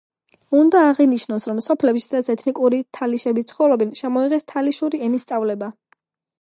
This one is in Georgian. უნდა აღინიშნოს, რომ სოფლებში, სადაც ეთნიკური თალიშები ცხოვრობენ, შემოიღეს თალიშური ენის სწავლება.